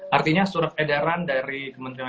artinya surat edaran dari kementerian